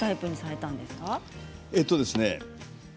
えーとですね